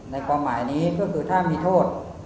ความหมายนี้ก็คือถ้ามีโทษ